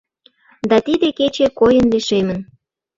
Да тиде кече койын лишемын.